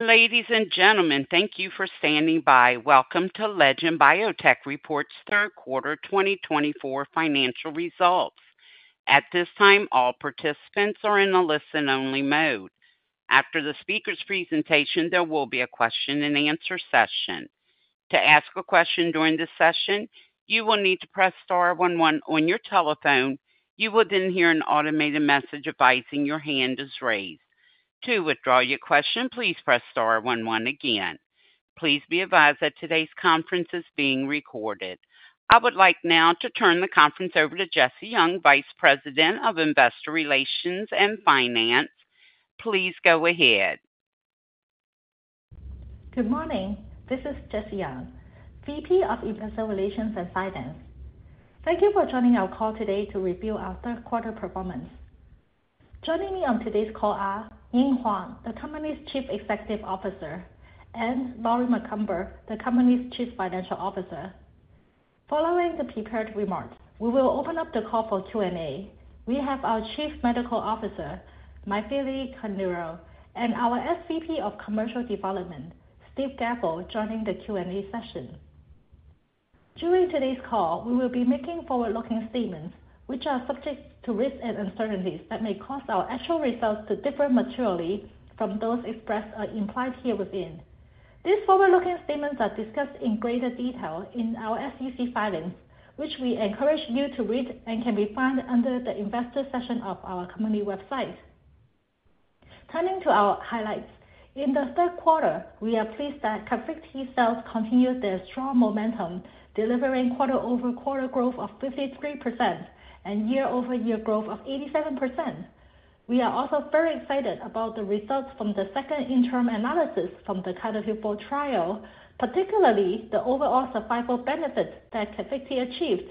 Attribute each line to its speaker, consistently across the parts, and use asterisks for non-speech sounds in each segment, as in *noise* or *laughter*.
Speaker 1: Ladies and gentlemen, thank you for standing by. Welcome to Legend Biotech's third quarter 2024 financial results. At this time, all participants are in a listen-only mode. After the speaker's presentation, there will be a question-and-answer session. To ask a question during this session, you will need to press star one one on your telephone. You will then hear an automated message advising your hand is raised. To withdraw your question, please press star one one again. Please be advised that today's conference is being recorded. I would like now to turn the conference over to Jessie Yeung, Vice President of Investor Relations and Finance. Please go ahead.
Speaker 2: Good morning. This is Jessie Yeung, VP of Investor Relations and Finance. Thank you for joining our call today to review our third quarter performance. Joining me on today's call are Ying Huang, the company's Chief Executive Officer, and Lori Macomber, the company's Chief Financial Officer. Following the prepared remarks, we will open up the call for Q&A. We have our Chief Medical Officer, Mythili Koneru, and our SVP of Commercial Development, Steve Gavel, joining the Q&A session. During today's call, we will be making forward-looking statements, which are subject to risks and uncertainties that may cause our actual results to differ materially from those expressed or implied herein. These forward-looking statements are discussed in greater detail in our SEC filings, which we encourage you to read and can be found under the investor section of our company website. Turning to our highlights, in the third quarter, we are pleased that CARVYKTI cells continued their strong momentum, delivering quarter-over-quarter growth of 53% and year-over-year growth of 87%. We are also very excited about the results from the second interim analysis from the CARTITUDE-4 trial, particularly the overall survival benefits that CARVYKTI achieved.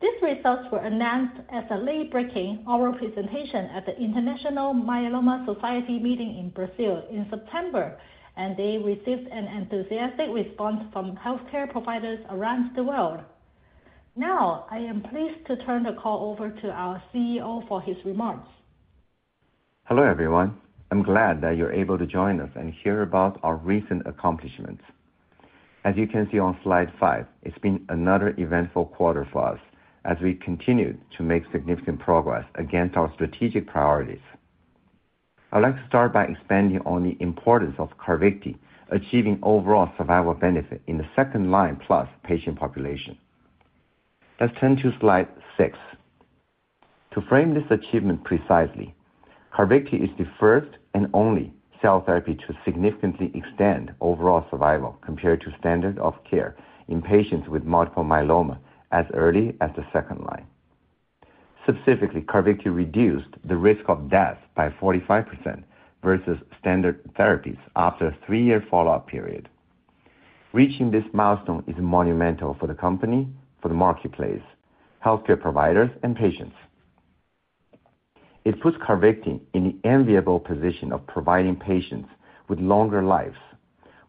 Speaker 2: These results were announced as a late-breaking oral presentation at the International Myeloma Society meeting in Brazil in September, and they received an enthusiastic response from healthcare providers around the world. Now, I am pleased to turn the call over to our CEO for his remarks.
Speaker 3: Hello everyone. I'm glad that you're able to join us and hear about our recent accomplishments. As you can see on slide five, it's been another eventful quarter for us as we continued to make significant progress against our strategic priorities. I'd like to start by expanding on the importance of CARVYKTI achieving overall survival benefit in the second line plus patient population. Let's turn to slide six. To frame this achievement precisely, CARVYKTI is the first and only cell therapy to significantly extend overall survival compared to standard of care in patients with multiple myeloma as early as the second line. Specifically, CARVYKTI reduced the risk of death by 45% versus standard therapies after a three-year follow-up period. Reaching this milestone is monumental for the company, for the marketplace, healthcare providers, and patients. It puts CARVYKTI in the enviable position of providing patients with longer lives,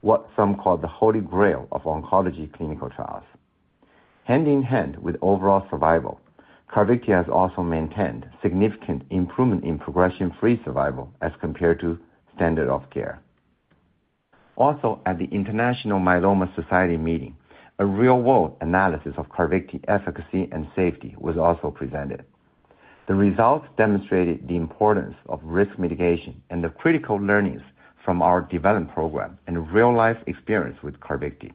Speaker 3: what some call the Holy Grail of oncology clinical trials. Hand in hand with overall survival, CARVYKTI has also maintained significant improvement in progression-free survival as compared to standard of care. Also, at the International Myeloma Society meeting, a real-world analysis of CARVYKTI efficacy and safety was also presented. The results demonstrated the importance of risk mitigation and the critical learnings from our development program and real-life experience with CARVYKTI.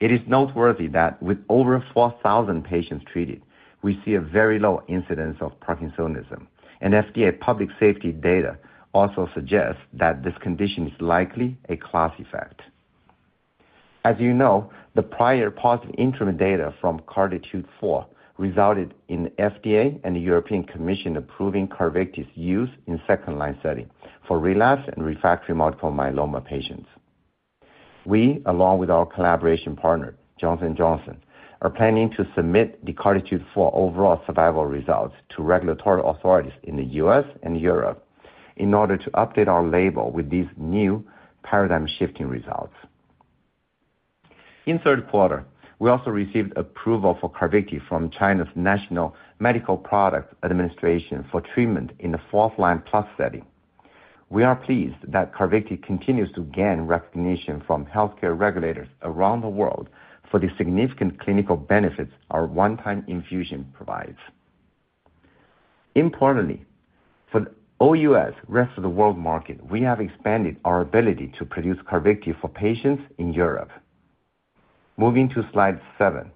Speaker 3: It is noteworthy that with over 4,000 patients treated, we see a very low incidence of Parkinsonism, and FDA public safety data also suggests that this condition is likely a class effect. As you know, the prior positive interim data from CARTITUDE-4 resulted in the FDA and the European Commission approving CARVYKTI's use in second-line setting for relapse and refractory multiple myeloma patients. We, along with our collaboration partner, Johnson & Johnson, are planning to submit the CARTITUDE-4 overall survival results to regulatory authorities in the U.S. and Europe in order to update our label with these new paradigm-shifting results. In third quarter, we also received approval for CARVYKTI from China's National Medical Products Administration for treatment in the fourth-line plus setting. We are pleased that CARVYKTI continues to gain recognition from healthcare regulators around the world for the significant clinical benefits our one-time infusion provides. Importantly, for the OUS rest of the world market, we have expanded our ability to produce CARVYKTI for patients in Europe. Moving to slide seven,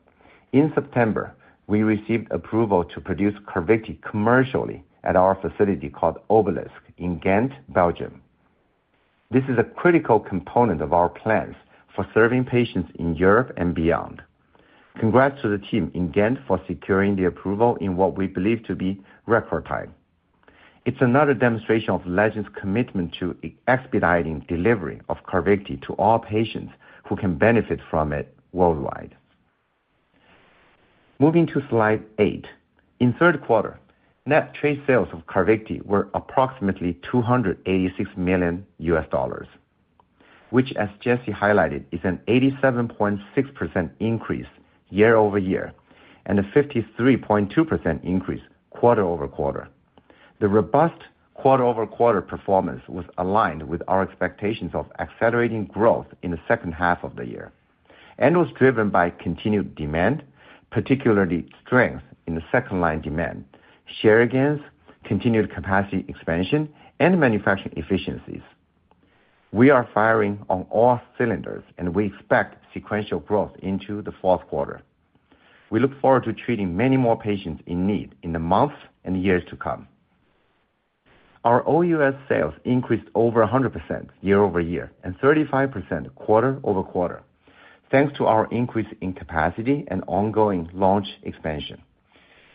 Speaker 3: in September, we received approval to produce CARVYKTI commercially at our facility called Obelisc in Ghent, Belgium. This is a critical component of our plans for serving patients in Europe and beyond. Congrats to the team in Ghent for securing the approval in what we believe to be record time. It's another demonstration of Legend's commitment to expediting delivery of CARVYKTI to all patients who can benefit from it worldwide. Moving to slide eight, in third quarter, net trade sales of CARVYKTI were approximately $286 million, which, as Jessie highlighted, is an 87.6% increase year-over-year and a 53.2% increase quarter-over-quarter. The robust quarter-over-quarter performance was aligned with our expectations of accelerating growth in the second half of the year and was driven by continued demand, particularly strength in the second-line demand, share gains, continued capacity expansion, and manufacturing efficiencies. We are firing on all cylinders, and we expect sequential growth into the fourth quarter. We look forward to treating many more patients in need in the months and years to come. Our OUS sales increased over 100% year-over-year and 35% quarter-over-quarter, thanks to our increase in capacity and ongoing launch expansion.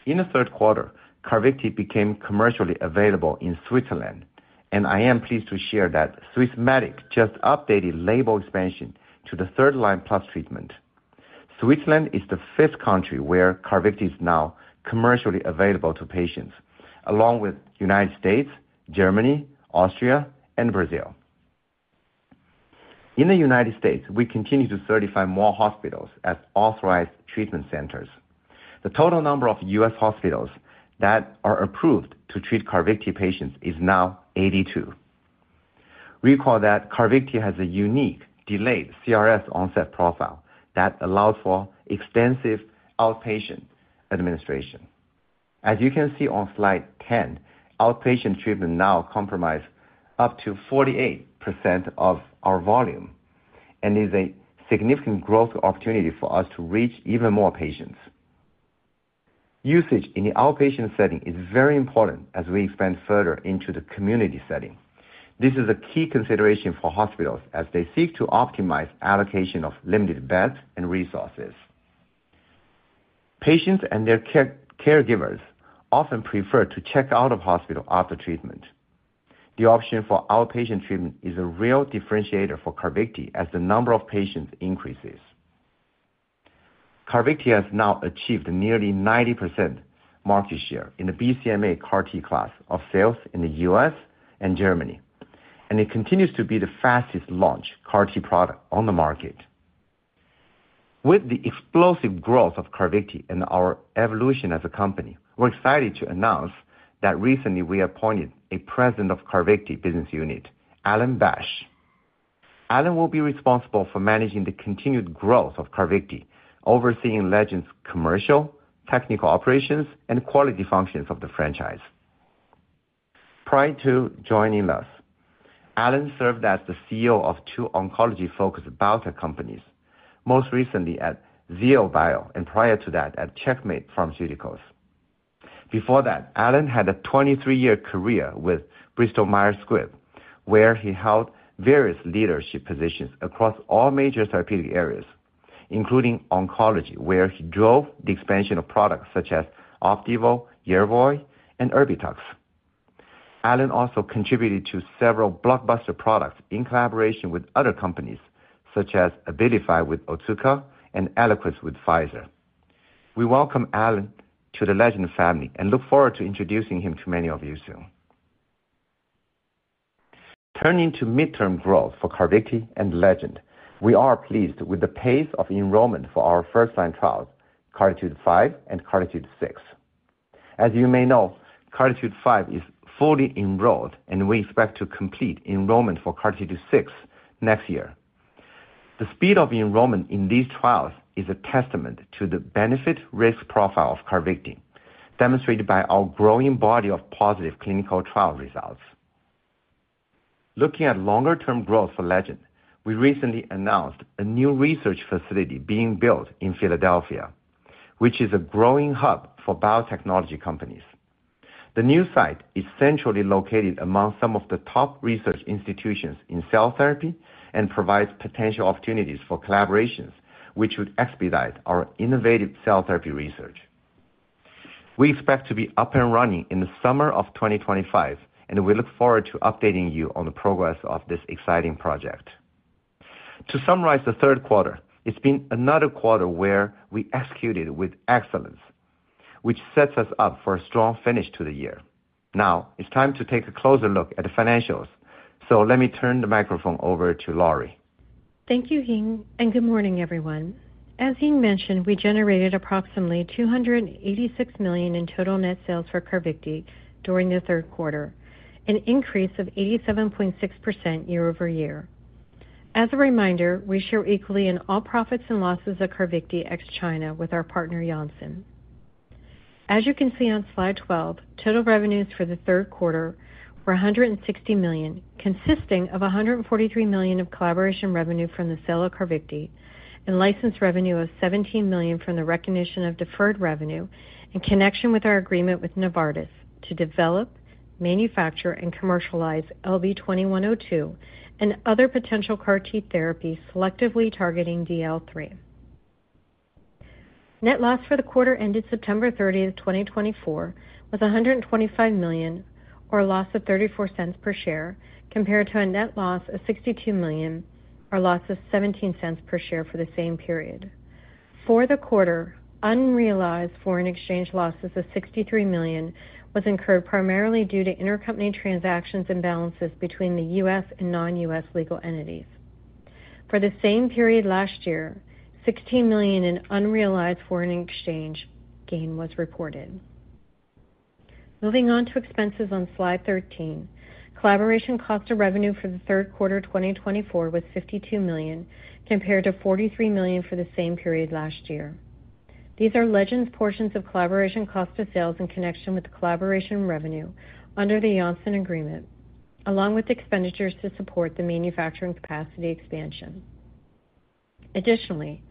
Speaker 3: In the third quarter, CARVYKTI became commercially available in Switzerland, and I am pleased to share that Swissmedic just updated label expansion to the third-line plus treatment. Switzerland is the fifth country where CARVYKTI is now commercially available to patients, along with the United States, Germany, Austria, and Brazil. In the United States, we continue to certify more hospitals as authorized treatment centers. The total number of U.S. hospitals that are approved to treat CARVYKTI patients is now 82. Recall that CARVYKTI has a unique delayed CRS onset profile that allows for extensive outpatient administration. As you can see on slide 10, outpatient treatment now comprises up to 48% of our volume and is a significant growth opportunity for us to reach even more patients. Usage in the outpatient setting is very important as we expand further into the community setting. This is a key consideration for hospitals as they seek to optimize allocation of limited beds and resources. Patients and their caregivers often prefer to check out of hospital after treatment. The option for outpatient treatment is a real differentiator for CARVYKTI as the number of patients increases. CARVYKTI has now achieved nearly 90% market share in the BCMA CAR-T class of sales in the U.S. and Germany, and it continues to be the fastest launched CAR-T product on the market. With the explosive growth of CARVYKTI and our evolution as a company, we're excited to announce that recently we appointed a president of CARVYKTI business unit, Alan Bash. Alan will be responsible for managing the continued growth of CARVYKTI, overseeing Legend's commercial, technical operations, and quality functions of the franchise. Prior to joining us, Alan served as the CEO of two oncology-focused biotech companies, most recently at ZielBio and prior to that at Checkmate Pharmaceuticals. Before that, Alan had a 23-year career with Bristol Myers Squibb, where he held various leadership positions across all major therapeutic areas, including oncology, where he drove the expansion of products such as OPDIVO, Yervoy, and ERBITUX. Alan also contributed to several blockbuster products in collaboration with other companies such as ABILIFY with Otsuka and Eliquis with Pfizer. We welcome Alan to the Legend family and look forward to introducing him to many of you soon. Turning to midterm growth for CARVYKTI and Legend, we are pleased with the pace of enrollment for our first-line trials, CARTITUDE-5 and CARTITUDE-6. As you may know, CARTITUDE-5 is fully enrolled, and we expect to complete enrollment for CARTITUDE-6 next year. The speed of enrollment in these trials is a testament to the benefit-risk profile of CARVYKTI, demonstrated by our growing body of positive clinical trial results. Looking at longer-term growth for Legend, we recently announced a new research facility being built in Philadelphia, which is a growing hub for biotechnology companies. The new site is centrally located among some of the top research institutions in cell therapy and provides potential opportunities for collaborations, which would expedite our innovative cell therapy research. We expect to be up and running in the summer of 2025, and we look forward to updating you on the progress of this exciting project. To summarize the third quarter, it's been another quarter where we executed with excellence, which sets us up for a strong finish to the year. Now, it's time to take a closer look at the financials, so let me turn the microphone over to Lori.
Speaker 4: Thank you, Ying, and good morning, everyone. As Ying mentioned, we generated approximately $286 million in total net sales for CARVYKTI during the third quarter, an increase of 87.6% year-over-year. As a reminder, we share equally in all profits and losses of CARVYKTI ex-China with our partner, Janssen. As you can see on slide 12, total revenues for the third quarter were $160 million, consisting of $143 million of collaboration revenue from the sale of CARVYKTI and license revenue of $17 million from the recognition of deferred revenue in connection with our agreement with Novartis to develop, manufacture, and commercialize LB2102 and other potential CAR-T therapies selectively targeting DLL3. Net loss for the quarter ended September 30th, 2024, was $125 million or a loss of $0.34 per share compared to a net loss of $62 million or a loss of $0.17 per share for the same period. For the quarter, unrealized foreign exchange losses of $63 million were incurred primarily due to intercompany transactions and balances between the U.S. and non-U.S. legal entities. For the same period last year, $16 million in unrealized foreign exchange gain was reported. Moving on to expenses on slide 13, collaboration cost of revenue for the third quarter 2024 was $52 million compared to $43 million for the same period last year. These are Legend's portions of collaboration cost of sales in connection with collaboration revenue under the Janssen agreement, along with expenditures to support the manufacturing capacity expansion. Additionally,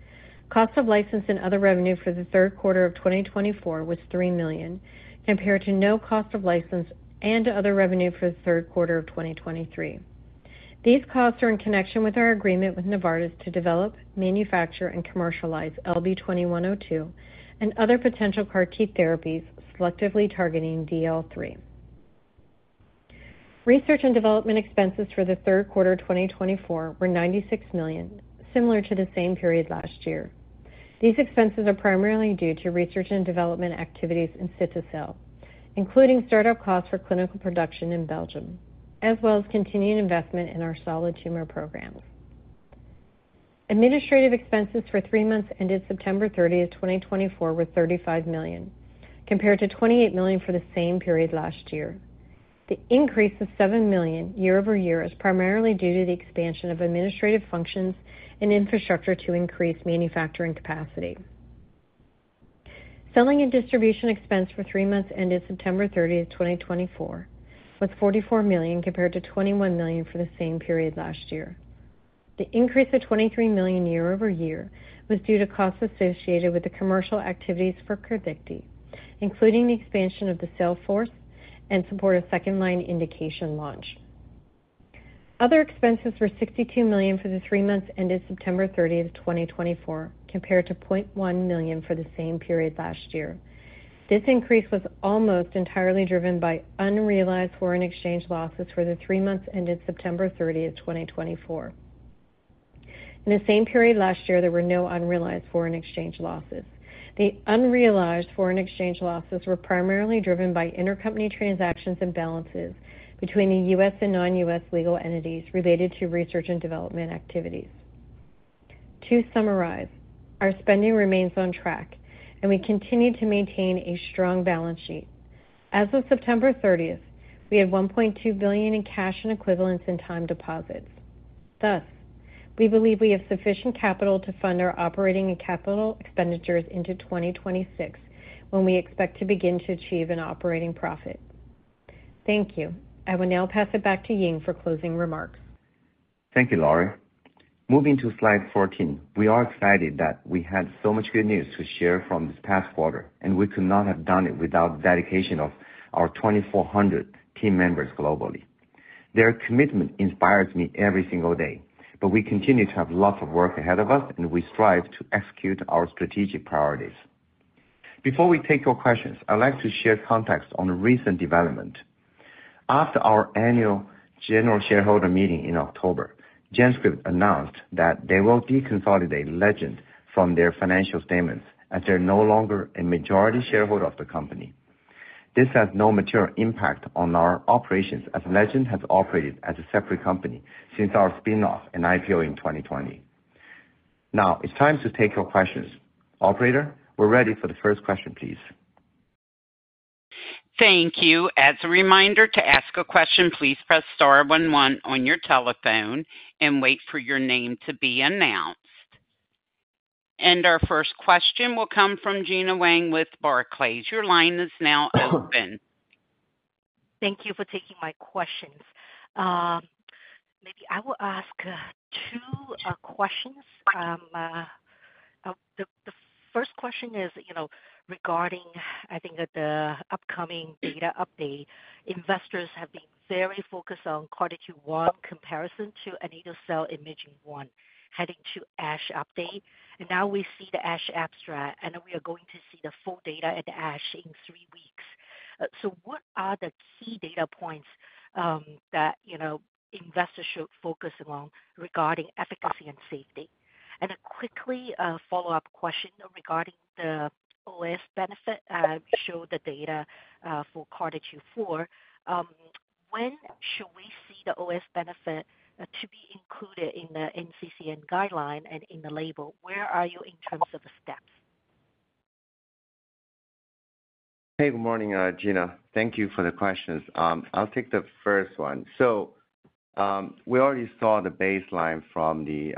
Speaker 4: cost of license and other revenue for the third quarter of 2024 was $3 million compared to no cost of license and other revenue for the third quarter of 2023. These costs are in connection with our agreement with Novartis to develop, manufacture, and commercialize LB2102 and other potential CAR-T therapies selectively targeting DLL3. Research and development expenses for the third quarter 2024 were $96 million, similar to the same period last year. These expenses are primarily due to research and development activities in cilta-cel, including startup costs for clinical production in Belgium, as well as continued investment in our solid tumor programs. Administrative expenses for three months ended September 30th, 2024, were $35 million compared to $28 million for the same period last year. The increase of $7 million year-over-year is primarily due to the expansion of administrative functions and infrastructure to increase manufacturing capacity. Selling and distribution expense for three months ended September 30th, 2024, was $44 million compared to $21 million for the same period last year. The increase of $23 million year-over-year was due to costs associated with the commercial activities for CARVYKTI, including the expansion of the sale force and support of second-line indication launch. Other expenses were $62 million for the three months ended September 30th, 2024, compared to $0.1 million for the same period last year. This increase was almost entirely driven by unrealized foreign exchange losses for the three months ended September 30th, 2024. In the same period last year, there were no unrealized foreign exchange losses. The unrealized foreign exchange losses were primarily driven by intercompany transactions and balances between the U.S. and non-U.S. legal entities related to research and development activities. To summarize, our spending remains on track, and we continue to maintain a strong balance sheet. As of September 30th, we had $1.2 billion in cash and equivalents in time deposits. Thus, we believe we have sufficient capital to fund our operating and capital expenditures into 2026 when we expect to begin to achieve an operating profit. Thank you. I will now pass it back to Ying for closing remarks.
Speaker 3: Thank you, Lori. Moving to slide 14, we are excited that we had so much good news to share from this past quarter, and we could not have done it without the dedication of our 2,400 team members globally. Their commitment inspires me every single day, but we continue to have lots of work ahead of us, and we strive to execute our strategic priorities. Before we take your questions, I'd like to share context on a recent development. After our annual general shareholder meeting in October, GenScript announced that they will deconsolidate Legend from their financial statements as they're no longer a majority shareholder of the company. This has no material impact on our operations as Legend has operated as a separate company since our spin-off and IPO in 2020. Now, it's time to take your questions. Operator, we're ready for the first question, please.
Speaker 1: Thank you. As a reminder to ask a question, please press star one one on your telephone and wait for your name to be announced. And our first question will come from Gena Wang with Barclays. Your line is now open.
Speaker 5: Thank you for taking my questions. Maybe I will ask two questions. The first question is regarding, I think, the upcoming data update. Investors have been very focused on CARTITUDE-1 comparison to anito-cel iMMagine-1 heading to ASH update. And now we see the ASH abstract, and we are going to see the full data at ASH in three weeks. So what are the key data points that investors should focus on regarding efficacy and safety? And a quick follow-up question regarding the OS benefit. We showed the data for CARTITUDE-4. When should we see the OS benefit to be included in the NCCN guideline and in the label? Where are you in terms of the steps?
Speaker 3: Hey, good morning, Gena. Thank you for the questions. I'll take the first one. So we already saw the baseline from the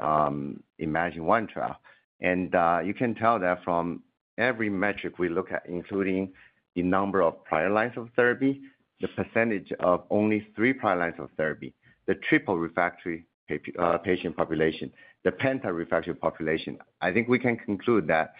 Speaker 3: IMMagine-1 trial, and you can tell that from every metric we look at, including the number of prior lines of therapy, the percentage of only three prior lines of therapy, the triple refractory patient population, the penta-refractory population. I think we can conclude that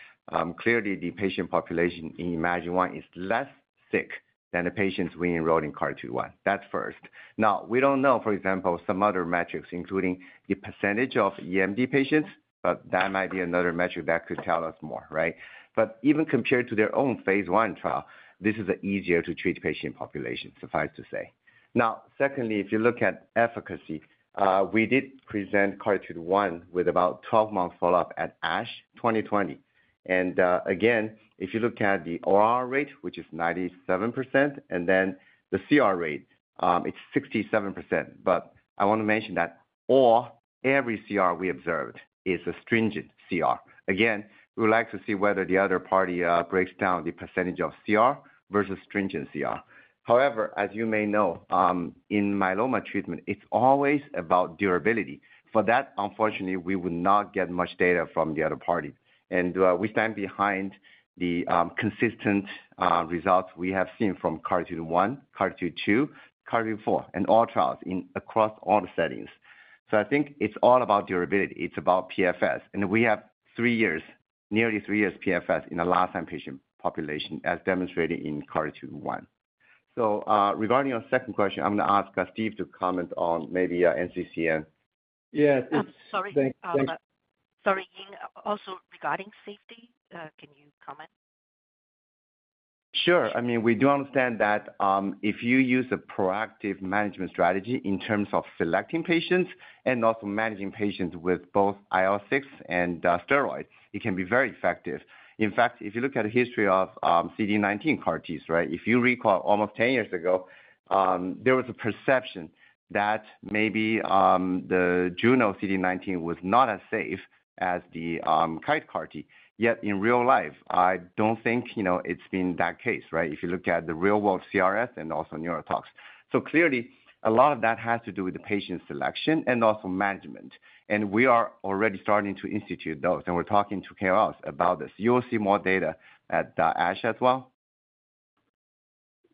Speaker 3: clearly the patient population in iMMagine-1 is less sick than the patients we enrolled in CARTITUDE-1. That's first. Now, we don't know, for example, some other metrics, including the percentage of EMD patients, but that might be another metric that could tell us more, right? But even compared to their own phase I trial, this is an easier-to-treat patient population, suffice to say. Now, secondly, if you look at efficacy, we did present CARTITUDE-1 with about 12-month follow-up at ASH 2020. And again, if you look at the OR rate, which is 97%, and then the CR rate, it's 67%. But I want to mention that all, every CR we observed is a stringent CR. Again, we would like to see whether the other party breaks down the percentage of CR versus stringent CR. However, as you may know, in myeloma treatment, it's always about durability. For that, unfortunately, we would not get much data from the other party. And we stand behind the consistent results we have seen from CARTITUDE-1, CARTITUDE-2, CARTITUDE-4, and all trials across all the settings. So I think it's all about durability. It's about PFS. And we have three years, nearly three years PFS in the last-line patient population, as demonstrated in CARTITUDE-1. So regarding your second question, I'm going to ask Steve to comment on maybe NCCN.
Speaker 6: Yes.
Speaker 5: Sorry, Ying. Also, regarding safety, can you comment?
Speaker 3: Sure. I mean, we do understand that if you use a proactive management strategy in terms of selecting patients and also managing patients with both IL-6 and steroids, it can be very effective. In fact, if you look at the history of CD19 CAR-Ts, right, if you recall, almost 10 years ago, there was a perception that maybe the Juno CD19 was not as safe as the Kite CAR-T. Yet in real life, I don't think it's been that case, right, if you look at the real-world CRS and also neurotoxicity. So clearly, a lot of that has to do with the patient selection and also management, and we are already starting to institute those, and we're talking to KOLs about this. You will see more data at ASH as well.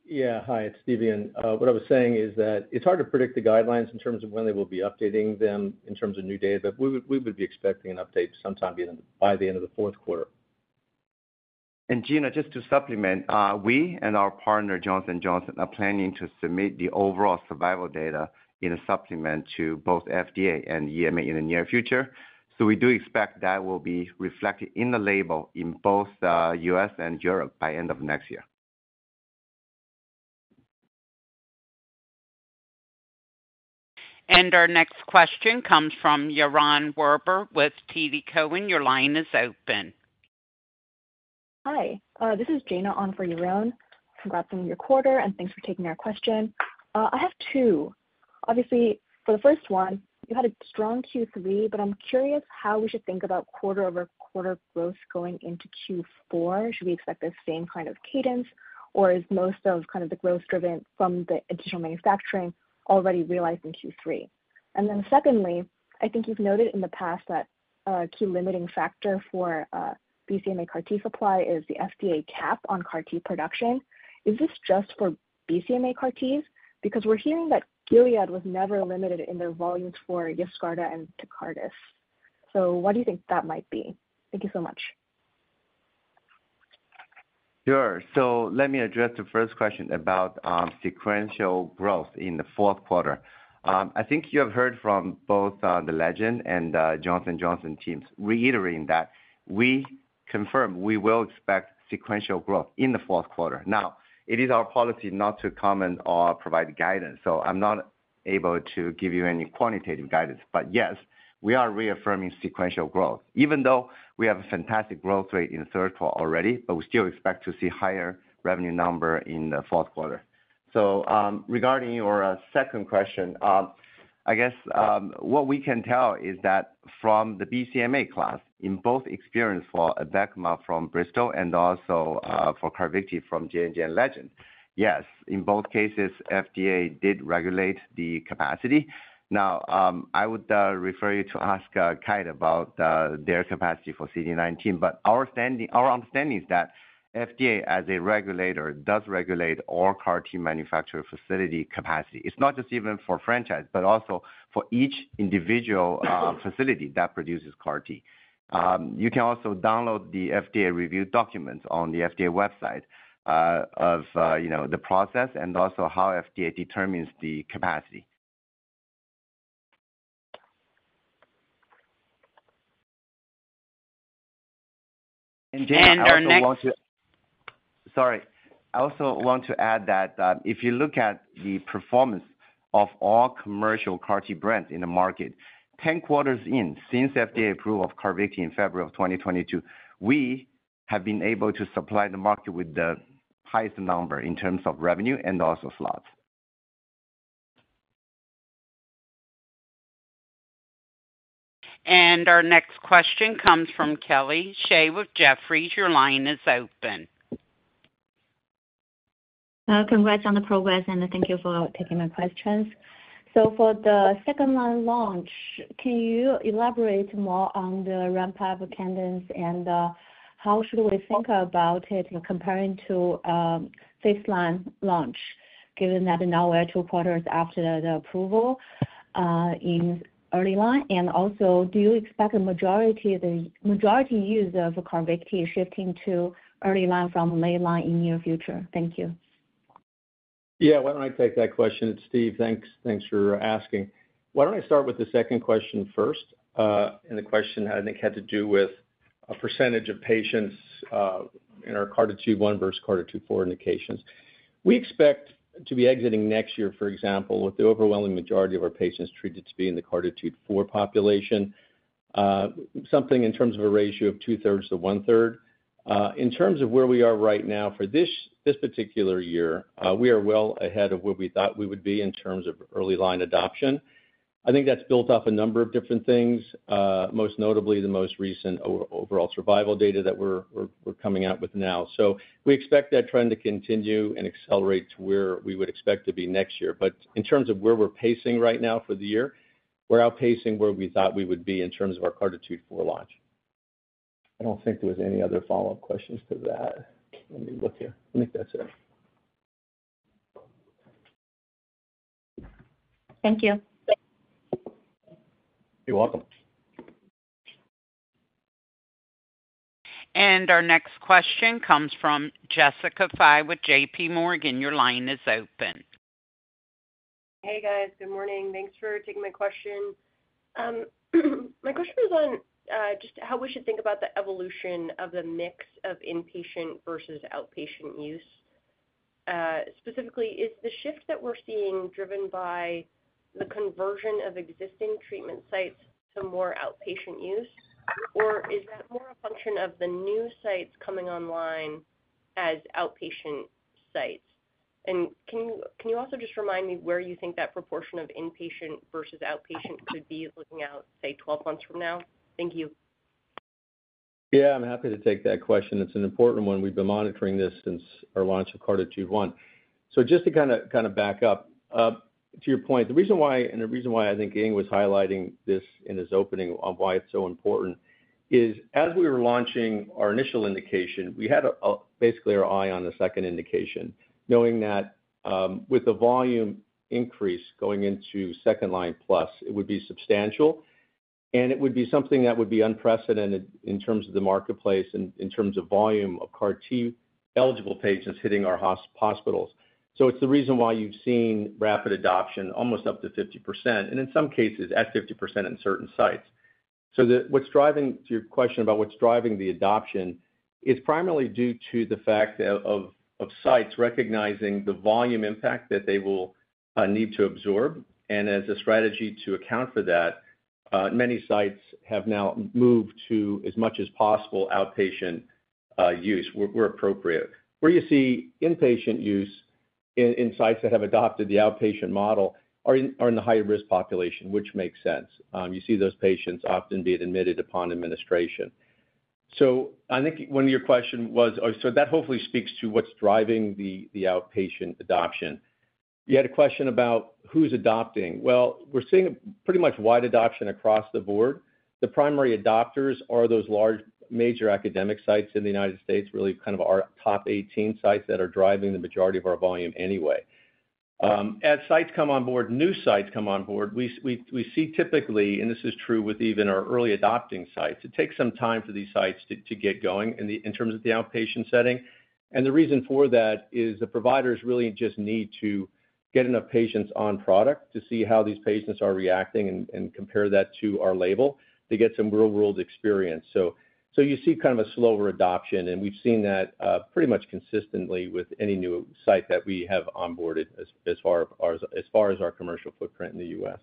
Speaker 6: Yeah. Hi, it's Steven. What I was saying is that it's hard to predict the guidelines in terms of when they will be updating them in terms of new data, but we would be expecting an update sometime by the end of the fourth quarter.
Speaker 3: Gena, just to supplement, we and our partner, Johnson & Johnson, are planning to submit the overall survival data in a supplement to both FDA and EMA in the near future. We do expect that will be reflected in the label in both the U.S. and Europe by the end of next year.
Speaker 1: Our next question comes from Yaron Werber with TD Cowen. Your line is open. Hi. This is Gina on for Yaron. Congrats on your quarter, and thanks for taking our question. I have two. Obviously, for the first one, you had a strong Q3, but I'm curious how we should think about quarter-over-quarter growth going into Q4. Should we expect the same kind of cadence, or is most of kind of the growth driven from the additional manufacturing already realized in Q3? And then secondly, I think you've noted in the past that a key limiting factor for BCMA CAR-T supply is the FDA cap on CAR-T production. Is this just for BCMA CAR-Ts? Because we're hearing that Gilead was never limited in their volumes for YESCARTA and TECARTUS. So why do you think that might be? Thank you so much.
Speaker 3: Sure. So let me address the first question about sequential growth in the fourth quarter. I think you have heard from both the Legend and Johnson & Johnson teams. Reiterating that, we confirm we will expect sequential growth in the fourth quarter. Now, it is our policy not to comment or provide guidance, so I'm not able to give you any quantitative guidance. But yes, we are reaffirming sequential growth, even though we have a fantastic growth rate in the third quarter already, but we still expect to see a higher revenue number in the fourth quarter. So regarding your second question, I guess what we can tell is that from the BCMA class, in both experience for Abecma from Bristol and also for CARVYKTI from J&J and Legend, yes, in both cases, FDA did regulate the capacity. Now, I would refer you to ask Kite about their capacity for CD19. But our understanding is that FDA, as a regulator, does regulate all CAR-T manufacturer facility capacity. It's not just even for franchise, but also for each individual facility that produces CAR-T. You can also download the FDA review documents on the FDA website of the process and also how FDA determines the capacity.
Speaker 1: Our next. *crosstalk*
Speaker 3: Sorry. I also want to add that if you look at the performance of all commercial CAR-T brands in the market, 10 quarters in since FDA approval of CARVYKTI in February of 2022, we have been able to supply the market with the highest number in terms of revenue and also slots.
Speaker 1: Our next question comes from Kelly Shi with Jefferies. Your line is open.
Speaker 7: Congrats on the progress, and thank you for taking my questions. So for the second-line launch, can you elaborate more on the ramp-up cadence, and how should we think about it comparing to first-line launch, given that now we're two quarters after the approval in early line? And also, do you expect the majority use of CARVYKTI shifting to early line from late line in the near future? Thank you.
Speaker 6: Yeah. Why don't I take that question? It's Steve. Thanks for asking. Why don't I start with the second question first, and the question, I think, had to do with a percentage of patients in our CARTITUDE-1 versus CARTITUDE-4 indications. We expect to be exiting next year, for example, with the overwhelming majority of our patients treated to be in the CARTITUDE-4 population, something in terms of a ratio of 2/3 to 1/3. In terms of where we are right now for this particular year, we are well ahead of where we thought we would be in terms of early line adoption. I think that's built off a number of different things, most notably the most recent overall survival data that we're coming out with now, so we expect that trend to continue and accelerate to where we would expect to be next year. But in terms of where we're pacing right now for the year, we're outpacing where we thought we would be in terms of our CARTITUDE-4 launch. I don't think there were any other follow-up questions to that. Let me look here. I think that's it.
Speaker 7: Thank you.
Speaker 6: You're welcome.
Speaker 1: And our next question comes from Jessica Fye with JPMorgan. Your line is open.
Speaker 8: Hey, guys. Good morning. Thanks for taking my question. My question was on just how we should think about the evolution of the mix of inpatient versus outpatient use. Specifically, is the shift that we're seeing driven by the conversion of existing treatment sites to more outpatient use, or is that more a function of the new sites coming online as outpatient sites? And can you also just remind me where you think that proportion of inpatient versus outpatient could be looking out, say, 12 months from now? Thank you.
Speaker 6: Yeah. I'm happy to take that question. It's an important one. We've been monitoring this since our launch of CARTITUDE-1. So just to kind of back up, to your point, the reason why and the reason why I think Ying was highlighting this in his opening on why it's so important is, as we were launching our initial indication, we had basically our eye on the second indication, knowing that with the volume increase going into second-line plus, it would be substantial, and it would be something that would be unprecedented in terms of the marketplace and in terms of volume of CAR-T eligible patients hitting our hospitals. So it's the reason why you've seen rapid adoption, almost up to 50%, and in some cases, at 50% in certain sites. So what's driving your question about what's driving the adoption is primarily due to the fact of sites recognizing the volume impact that they will need to absorb, and as a strategy to account for that, many sites have now moved to, as much as possible, outpatient use where appropriate. Where you see inpatient use in sites that have adopted the outpatient model are in the high-risk population, which makes sense. You see those patients often being admitted upon administration. So I think one of your questions was, so that hopefully speaks to what's driving the outpatient adoption. You had a question about who's adopting. Well, we're seeing pretty much wide adoption across the board. The primary adopters are those large major academic sites in the United States, really kind of our top 18 sites that are driving the majority of our volume anyway. As sites come on board, new sites come on board, we see typically, and this is true with even our early adopting sites, it takes some time for these sites to get going in terms of the outpatient setting, and the reason for that is the providers really just need to get enough patients on product to see how these patients are reacting and compare that to our label to get some real-world experience, so you see kind of a slower adoption, and we've seen that pretty much consistently with any new site that we have onboarded as far as our commercial footprint in the U.S.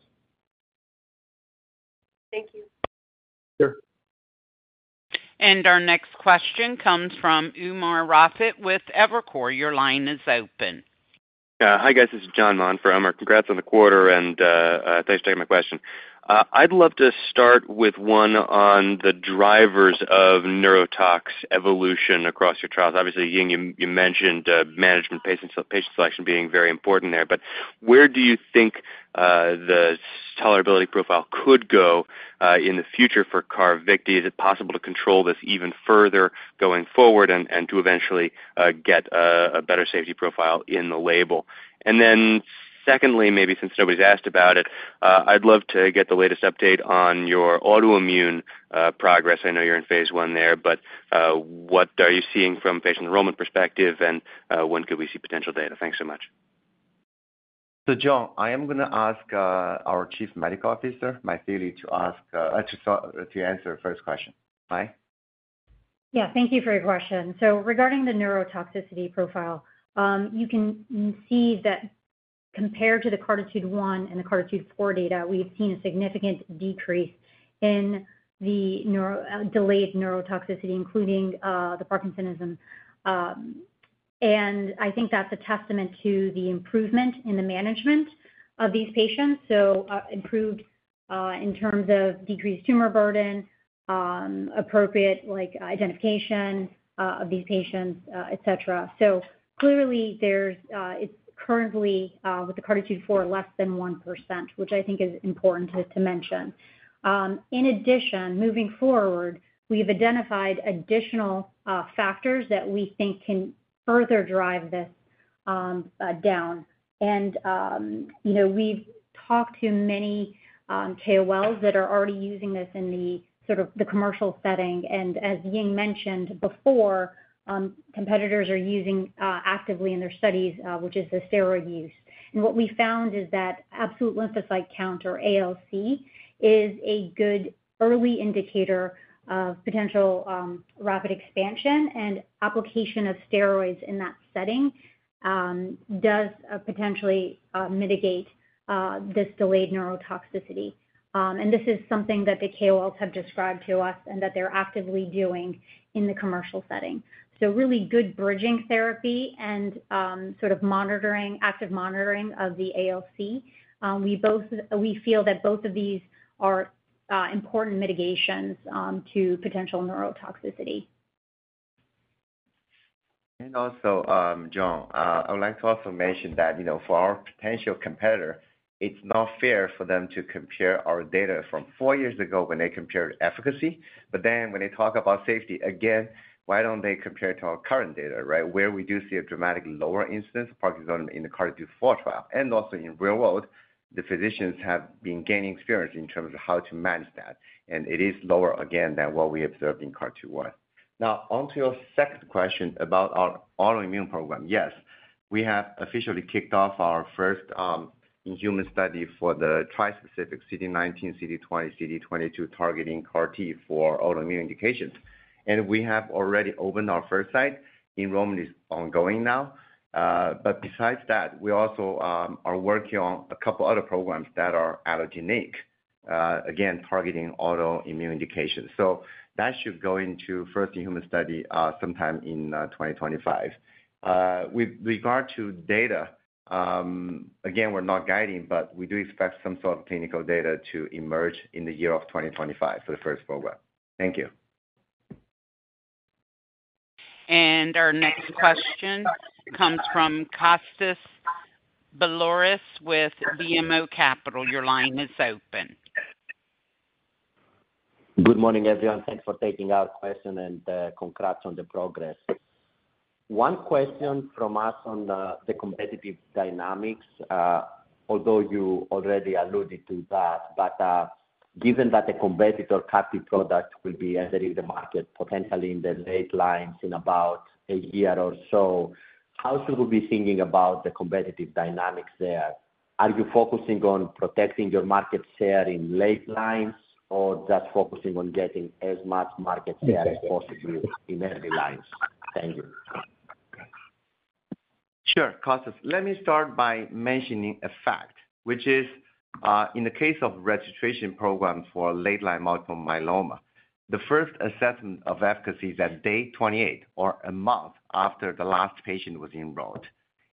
Speaker 8: Thank you.
Speaker 6: Sure.
Speaker 1: Our next question comes from Umer Raffat with Evercore. Your line is open.
Speaker 9: Hi, guys. This is Jon on for Umer. Congrats on the quarter, and thanks for taking my question. I'd love to start with one on the drivers of neurotoxicity evolution across your trials. Obviously, Ying, you mentioned management patient selection being very important there. But where do you think the tolerability profile could go in the future for CARVYKTI? Is it possible to control this even further going forward and to eventually get a better safety profile in the label? And then secondly, maybe since nobody's asked about it, I'd love to get the latest update on your autoimmune progress. I know you're in phase I there, but what are you seeing from a patient enrollment perspective, and when could we see potential data? Thanks so much.
Speaker 3: So Jon, I am going to ask our Chief Medical Officer, Mythili, to answer the first question. Hi.
Speaker 10: Yeah. Thank you for your question. So regarding the neurotoxicity profile, you can see that compared to the CARTITUDE-1 and the CARTITUDE-4 data, we've seen a significant decrease in the delayed neurotoxicity, including the Parkinsonism. And I think that's a testament to the improvement in the management of these patients, so improved in terms of decreased tumor burden, appropriate identification of these patients, etc. So clearly, it's currently, with the CARTITUDE-4, less than 1%, which I think is important to mention. In addition, moving forward, we've identified additional factors that we think can further drive this down. And we've talked to many KOLs that are already using this in the commercial setting. And as Ying mentioned before, competitors are using actively in their studies, which is the steroid use. And what we found is that absolute lymphocyte count, or ALC, is a good early indicator of potential rapid expansion, and application of steroids in that setting does potentially mitigate this delayed neurotoxicity. And this is something that the KOLs have described to us and that they're actively doing in the commercial setting. So really good bridging therapy and sort of active monitoring of the ALC. We feel that both of these are important mitigations to potential neurotoxicity.
Speaker 3: And also, Jon, I would like to also mention that for our potential competitor, it's not fair for them to compare our data from four years ago when they compared efficacy. But then when they talk about safety, again, why don't they compare to our current data, right, where we do see a dramatically lower incidence of Parkinsonism in the CARTITUDE-4 trial? And also in real world, the physicians have been gaining experience in terms of how to manage that. And it is lower again than what we observed in CARTITUDE-1. Now, onto your second question about our autoimmune program. Yes, we have officially kicked off our first in-human study for the trispecific CD19, CD20, CD22 targeting CAR-T for autoimmune indications. And we have already opened our first site. Enrollment is ongoing now. But besides that, we also are working on a couple of other programs that are allogeneic, again, targeting autoimmune indications. So that should go into first in-human study sometime in 2025. With regard to data, again, we're not guiding, but we do expect some sort of clinical data to emerge in the year of 2025 for the first program. Thank you.
Speaker 1: Our next question comes from Kostas Biliouris with BMO Capital. Your line is open.
Speaker 11: Good morning, everyone. Thanks for taking our question and congrats on the progress. One question from us on the competitive dynamics, although you already alluded to that, but given that a competitor CAR-T product will be entering the market potentially in the late lines in about a year or so, how should we be thinking about the competitive dynamics there? Are you focusing on protecting your market share in late lines or just focusing on getting as much market share as possible in early lines? Thank you.
Speaker 3: Sure, Kostas. Let me start by mentioning a fact, which is, in the case of registration programs for late-line multiple myeloma, the first assessment of efficacy is at day 28 or a month after the last patient was enrolled,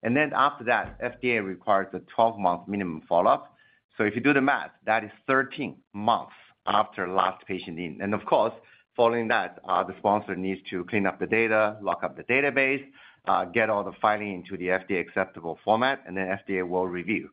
Speaker 3: and then after that, the FDA requires a 12-month minimum follow-up, so if you do the math, that is 13 months after last patient in, and of course, following that, the sponsor needs to clean up the data, lock up the database, get all the filing into the FDA-acceptable format, and then the FDA will review,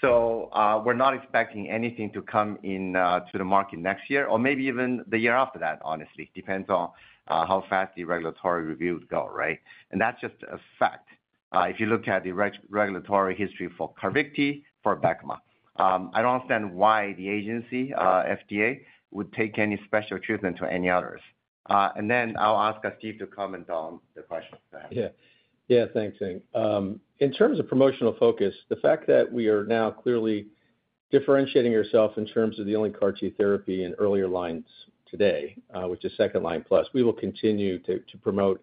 Speaker 3: so we're not expecting anything to come into the market next year or maybe even the year after that, honestly. It depends on how fast the regulatory review would go, right, and that's just a fact. If you look at the regulatory history for CARVYKTI for Abecma, I don't understand why the agency, FDA, would take any special treatment to any others. And then I'll ask Steve to comment on the questions.
Speaker 6: Yeah. Yeah, thanks, Ying. In terms of promotional focus, the fact that we are now clearly differentiating ourselves in terms of the only CAR-T therapy in earlier lines today, which is second-line plus, we will continue to promote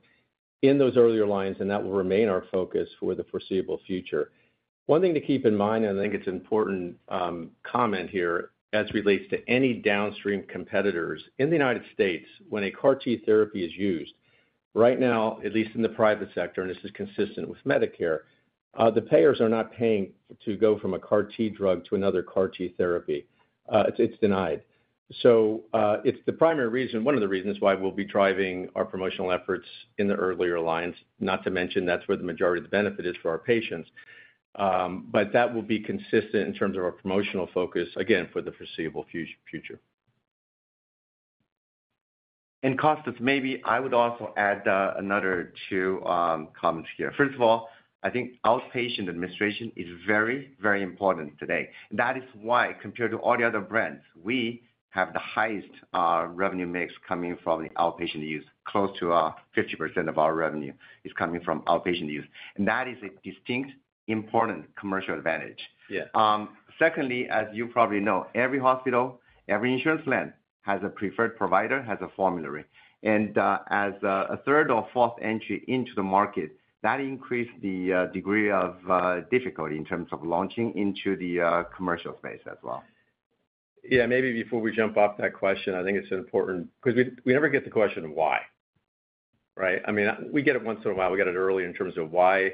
Speaker 6: in those earlier lines, and that will remain our focus for the foreseeable future. One thing to keep in mind, and I think it's an important comment here, as it relates to any downstream competitors in the United States, when a CAR-T therapy is used, right now, at least in the private sector, and this is consistent with Medicare, the payers are not paying to go from a CAR-T drug to another CAR-T therapy. It's denied. So it's the primary reason, one of the reasons why we'll be driving our promotional efforts in the earlier lines, not to mention that's where the majority of the benefit is for our patients. But that will be consistent in terms of our promotional focus, again, for the foreseeable future.
Speaker 3: Kostas, maybe I would also add another two comments here. First of all, I think outpatient administration is very, very important today. That is why, compared to all the other brands, we have the highest revenue mix coming from the outpatient use. Close to 50% of our revenue is coming from outpatient use. That is a distinct, important commercial advantage. Secondly, as you probably know, every hospital, every insurance plan has a preferred provider, has a formulary. As a third or fourth entry into the market, that increased the degree of difficulty in terms of launching into the commercial space as well.
Speaker 6: Yeah. Maybe before we jump off that question, I think it's important because we never get the question of why, right? I mean, we get it once in a while. We get it early in terms of why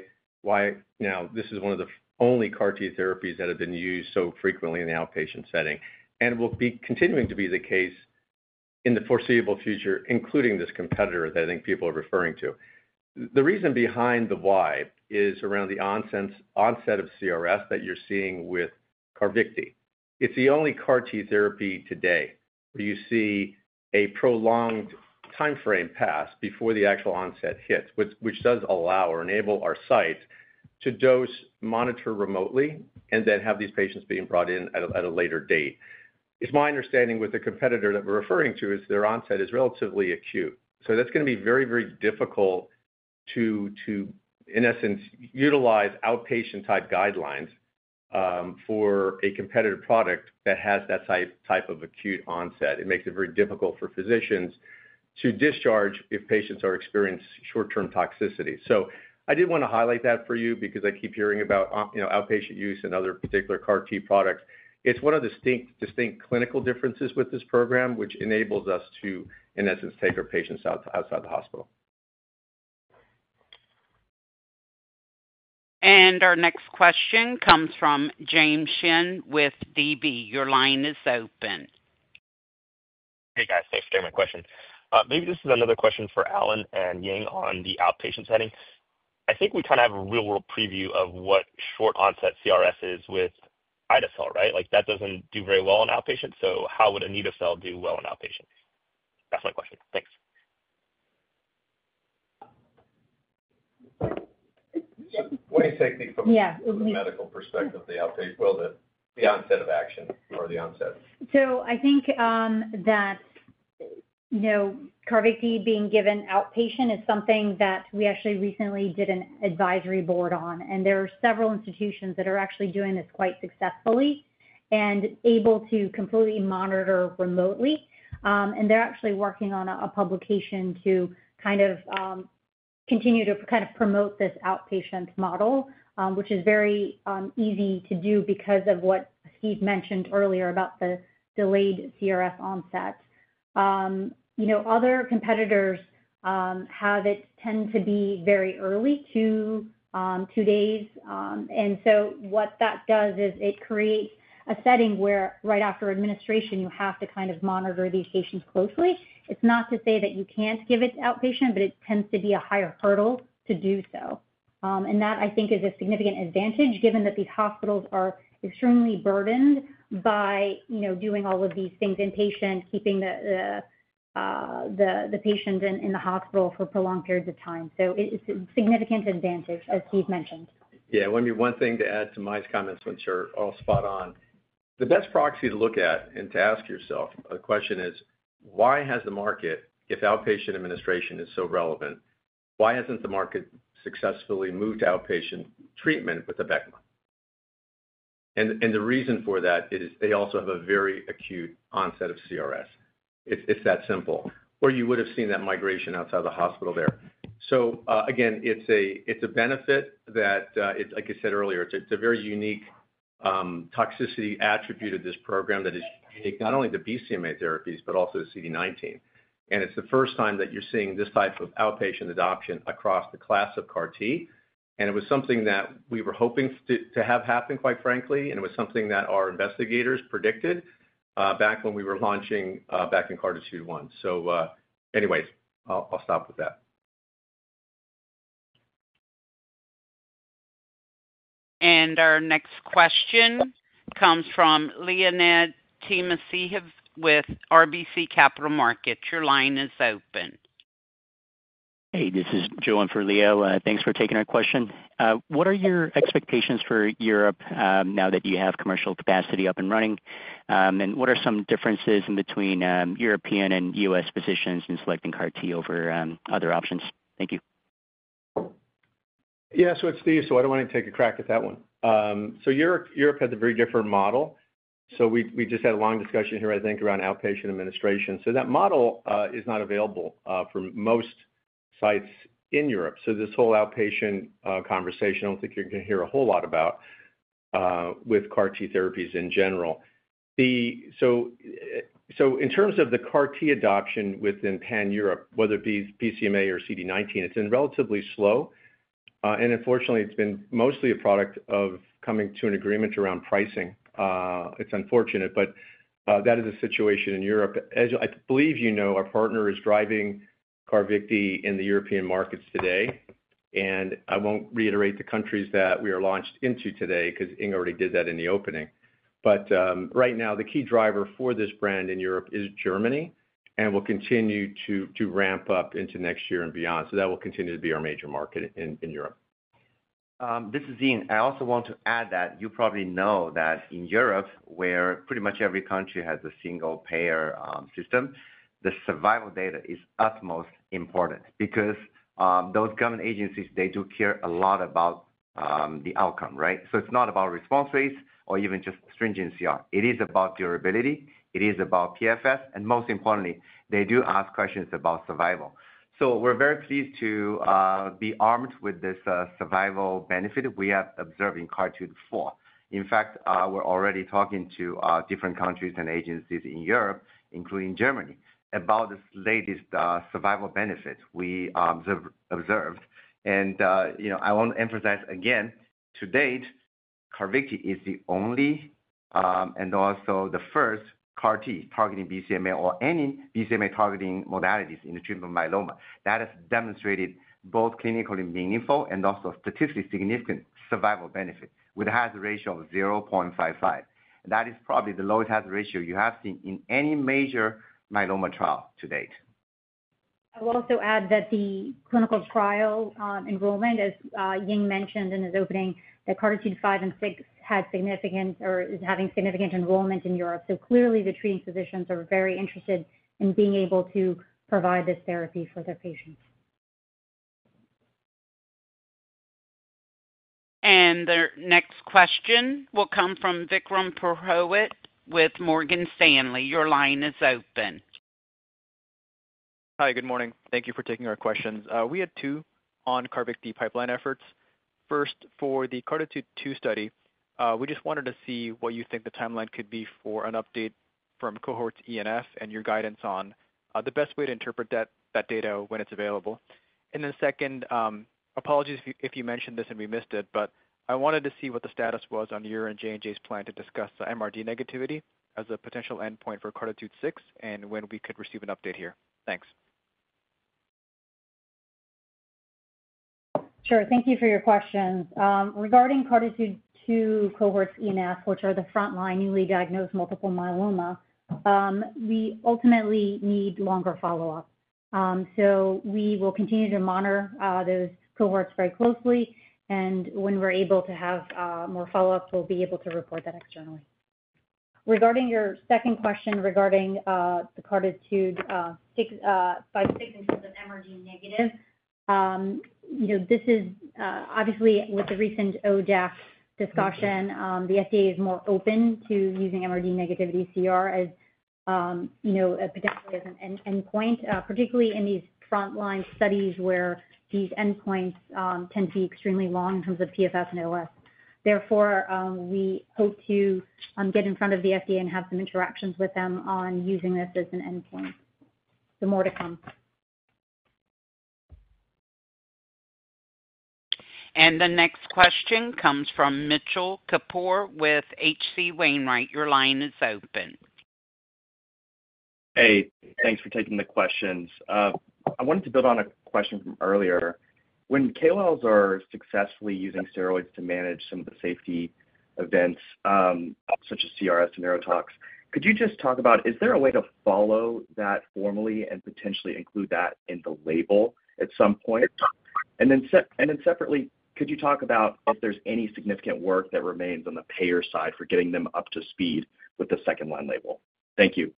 Speaker 6: now this is one of the only CAR-T therapies that have been used so frequently in the outpatient setting. And it will be continuing to be the case in the foreseeable future, including this competitor that I think people are referring to. The reason behind the why is around the onset of CRS that you're seeing with CARVYKTI. It's the only CAR-T therapy today where you see a prolonged timeframe pass before the actual onset hits, which does allow or enable our sites to dose, monitor remotely, and then have these patients being brought in at a later date. It's my understanding with the competitor that we're referring to is their onset is relatively acute. So that's going to be very, very difficult to, in essence, utilize outpatient-type guidelines for a competitor product that has that type of acute onset. It makes it very difficult for physicians to discharge if patients are experiencing short-term toxicity. So I did want to highlight that for you because I keep hearing about outpatient use and other particular CAR-T products. It's one of the distinct clinical differences with this program, which enables us to, in essence, take our patients outside the hospital.
Speaker 1: And our next question comes from James Shin with DB. Your line is open.
Speaker 12: Hey, guys. Thanks for taking my question. Maybe this is another question for Alan and Ying on the outpatient setting. I think we kind of have a real-world preview of what short-onset CRS is with ide-cel, right? That doesn't do very well on outpatient. So how would anito-cel do well on outpatient? That's my question. Thanks.
Speaker 6: What do you think from a medical perspective of the outpatient, well, the onset of action or the onset?
Speaker 10: I think that CARVYKTI being given outpatient is something that we actually recently did an advisory board on. There are several institutions that are actually doing this quite successfully and able to completely monitor remotely. They're actually working on a publication to kind of continue to kind of promote this outpatient model, which is very easy to do because of what Steve mentioned earlier about the delayed CRS onset. Other competitors have it tend to be very early, two days. What that does is it creates a setting where right after administration, you have to kind of monitor these patients closely. It's not to say that you can't give it outpatient, but it tends to be a higher hurdle to do so. That, I think, is a significant advantage given that these hospitals are extremely burdened by doing all of these things inpatient, keeping the patient in the hospital for prolonged periods of time. It's a significant advantage, as Steve mentioned.
Speaker 6: Yeah. Maybe one thing to add to Mythili's comments, which are all spot on. The best proxy to look at and to ask yourself a question is, why has the market, if outpatient administration is so relevant, why hasn't the market successfully moved outpatient treatment with the Abecma? And the reason for that is they also have a very acute onset of CRS. It's that simple. Or you would have seen that migration outside the hospital there. So again, it's a benefit that, like I said earlier, it's a very unique toxicity attribute of this program that is unique not only to BCMA therapies, but also to CD19. And it's the first time that you're seeing this type of outpatient adoption across the class of CAR-T. And it was something that we were hoping to have happen, quite frankly. It was something that our investigators predicted back when we were launching back in CARTITUDE-1. So anyways, I'll stop with that.
Speaker 1: Our next question comes from Leonid Timashev with RBC Capital Markets. Your line is open. Hey, this is Joanne for Leo. Thanks for taking our question. What are your expectations for Europe now that you have commercial capacity up and running? And what are some differences between European and U.S. physicians in selecting CAR-T over other options? Thank you.
Speaker 6: Yeah. So it's Steve, so I don't want to take a crack at that one. So Europe has a very different model. So we just had a long discussion here, I think, around outpatient administration. So that model is not available for most sites in Europe. So this whole outpatient conversation, I don't think you're going to hear a whole lot about with CAR-T therapies in general. So in terms of the CAR-T adoption within pan-Europe, whether it be BCMA or CD19, it's been relatively slow. And unfortunately, it's been mostly a product of coming to an agreement around pricing. It's unfortunate, but that is a situation in Europe. As I believe you know, our partner is driving CARVYKTI in the European markets today. And I won't reiterate the countries that we are launched into today because Ying already did that in the opening. But right now, the key driver for this brand in Europe is Germany and will continue to ramp up into next year and beyond. So that will continue to be our major market in Europe.
Speaker 3: This is Ying. I also want to add that you probably know that in Europe, where pretty much every country has a single payer system, the survival data is utmost important because those government agencies, they do care a lot about the outcome, right? So it's not about response rates or even just stringent CR. It is about durability. It is about PFS. And most importantly, they do ask questions about survival. So we're very pleased to be armed with this survival benefit we have observed in CARTITUDE-4. In fact, we're already talking to different countries and agencies in Europe, including Germany, about this latest survival benefit we observed. And I want to emphasize again, to date, CARVYKTI is the only and also the first CAR-T targeting BCMA or any BCMA-targeting modalities in the treatment of myeloma. That has demonstrated both clinically meaningful and also statistically significant survival benefit with a hazard ratio of 0.55. That is probably the lowest hazard ratio you have seen in any major myeloma trial to date.
Speaker 10: I will also add that the clinical trial enrollment, as Ying mentioned in his opening, that CARTITUDE-5 and CARTITUDE-6 had significant or is having significant enrollment in Europe, so clearly, the treating physicians are very interested in being able to provide this therapy for their patients.
Speaker 1: Our next question will come from Vikram Purohit with Morgan Stanley. Your line is open.
Speaker 13: Hi, good morning. Thank you for taking our questions. We had two on CARVYKTI pipeline efforts. First, for the CARTITUDE-2 study, we just wanted to see what you think the timeline could be for an update from Cohorts E and F and your guidance on the best way to interpret that data when it's available. And then second, apologies if you mentioned this and we missed it, but I wanted to see what the status was on your and J&J's plan to discuss MRD negativity as a potential endpoint for CARTITUDE-6 and when we could receive an update here. Thanks.
Speaker 10: Sure. Thank you for your questions. Regarding CARTITUDE-2 Cohorts E and F, which are the frontline newly diagnosed multiple myeloma, we ultimately need longer follow-up, so we will continue to monitor those cohorts very closely, and when we're able to have more follow-up, we'll be able to report that externally. Regarding your second question regarding the CARTITUDE-6 in terms of MRD negative, this is obviously with the recent ODAC discussion, the FDA is more open to using MRD negativity CR as potentially an endpoint, particularly in these frontline studies where these endpoints tend to be extremely long in terms of PFS and OS. Therefore, we hope to get in front of the FDA and have some interactions with them on using this as an endpoint. More to come.
Speaker 1: The next question comes from Mitchell Kapoor with H.C. Wainwright. Your line is open.
Speaker 14: Hey, thanks for taking the questions. I wanted to build on a question from earlier. When KOLs are successfully using steroids to manage some of the safety events such as CRS and neurotoxicity, could you just talk about, is there a way to follow that formally and potentially include that in the label at some point? And then separately, could you talk about if there's any significant work that remains on the payer side for getting them up to speed with the second-line label? Thank you.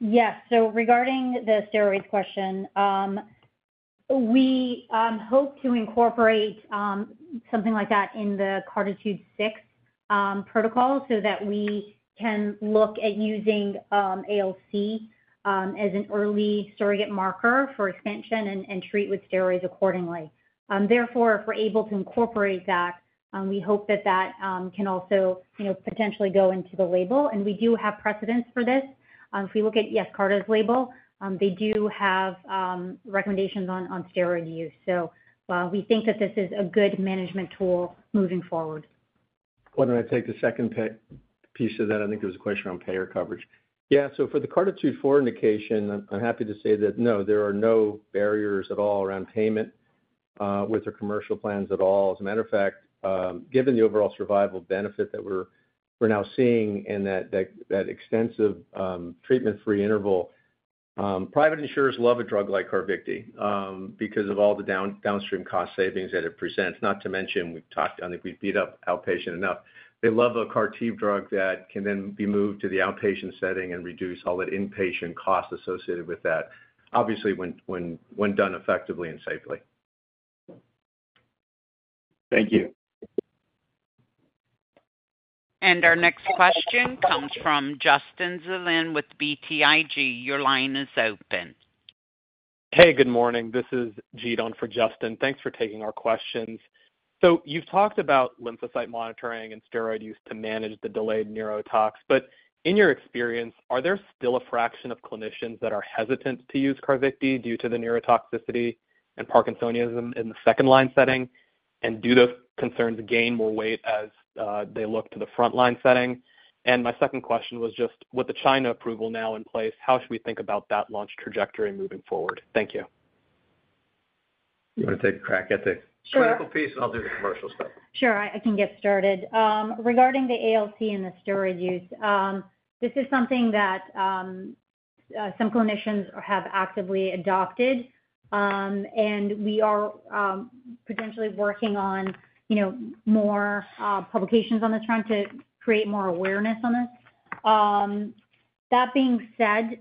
Speaker 10: Yes. Regarding the steroids question, we hope to incorporate something like that in the CARTITUDE-6 protocol so that we can look at using ALC as an early surrogate marker for expansion and treat with steroids accordingly. Therefore, if we're able to incorporate that, we hope that that can also potentially go into the label. We do have precedents for this. If we look at YESCARTA's label, they do have recommendations on steroid use. We think that this is a good management tool moving forward.
Speaker 6: Why don't I take the second piece of that? I think it was a question around payer coverage. Yeah. So for the CARTITUDE-4 indication, I'm happy to say that, no, there are no barriers at all around payment with our commercial plans at all. As a matter of fact, given the overall survival benefit that we're now seeing and that extensive treatment-free interval, private insurers love a drug like CARVYKTI because of all the downstream cost savings that it presents. Not to mention, we've talked. I think we've beat up outpatient enough. They love a CAR-T drug that can then be moved to the outpatient setting and reduce all that inpatient cost associated with that, obviously when done effectively and safely. Thank you.
Speaker 1: Our next question comes from Justin Zelin with BTIG. Your line is open.
Speaker 15: Hey, good morning. This is Jeet on for Justin. Thanks for taking our questions. So you've talked about lymphocyte monitoring and steroid use to manage the delayed neurotoxicity. But in your experience, are there still a fraction of clinicians that are hesitant to use CARVYKTI due to the neurotoxicity and Parkinsonism in the second-line setting? And do those concerns gain more weight as they look to the frontline setting? And my second question was just, with the China approval now in place, how should we think about that launch trajectory moving forward? Thank you.
Speaker 6: You want to take a crack at the clinical piece, and I'll do the commercial stuff.
Speaker 10: Sure. I can get started. Regarding the ALC and the steroid use, this is something that some clinicians have actively adopted, and we are potentially working on more publications on this front to create more awareness on this. That being said,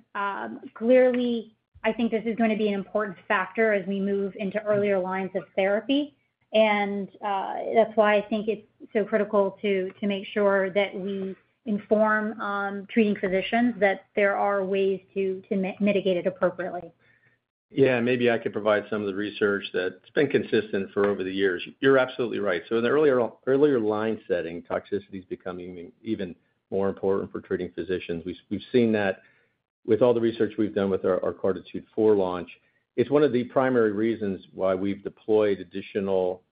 Speaker 10: clearly, I think this is going to be an important factor as we move into earlier lines of therapy, and that's why I think it's so critical to make sure that we inform treating physicians that there are ways to mitigate it appropriately.
Speaker 6: Yeah. And maybe I could provide some of the research that's been consistent for over the years. You're absolutely right. So in the earlier line setting, toxicity is becoming even more important for treating physicians. We've seen that with all the research we've done with our CARTITUDE-4 launch. It's one of the primary reasons why we've deployed additional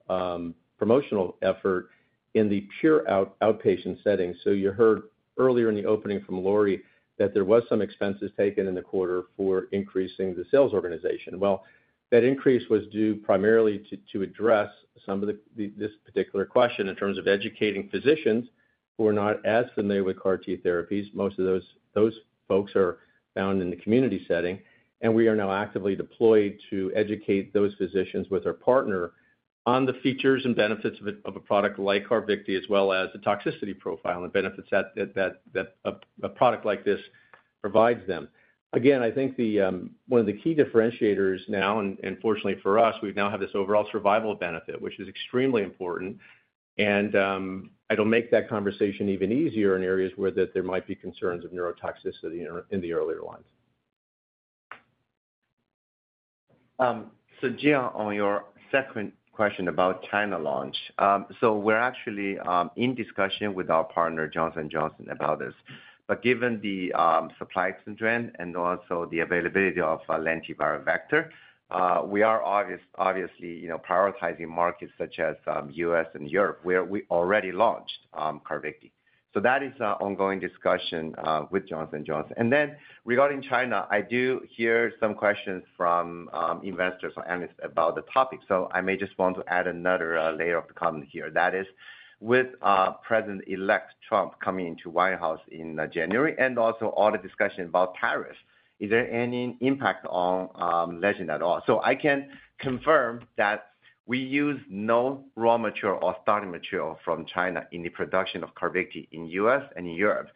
Speaker 6: promotional effort in the pure outpatient setting. So you heard earlier in the opening from Lori that there were some expenses taken in the quarter for increasing the sales organization. Well, that increase was due primarily to address some of this particular question in terms of educating physicians who are not as familiar with CAR-T therapies. Most of those folks are found in the community setting. We are now actively deployed to educate those physicians with our partner on the features and benefits of a product like CARVYKTI, as well as the toxicity profile and the benefits that a product like this provides them. Again, I think one of the key differentiators now, and fortunately for us, we now have this overall survival benefit, which is extremely important. It will make that conversation even easier in areas where there might be concerns of neurotoxicity in the earlier lines.
Speaker 3: So Jeet, on your second question about China launch. So we're actually in discussion with our partner, Johnson & Johnson, about this. But given the supply trend and also the availability of a lentiviral vector, we are obviously prioritizing markets such as the U.S. and Europe where we already launched CARVYKTI. So that is an ongoing discussion with Johnson & Johnson. And then regarding China, I do hear some questions from investors and analysts about the topic. So I may just want to add another layer of the comment here. That is, with President-elect Trump coming into the White House in January and also all the discussion about tariffs, is there any impact on Legend at all? So I can confirm that we use no raw material or starting material from China in the production of CARVYKTI in the U.S. and in Europe.